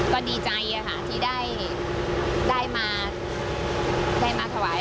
ก็ดีใจอะค่ะที่ได้มาถวาย